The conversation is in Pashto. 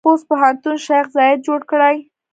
خوست پوهنتون شیخ زاید جوړ کړی؟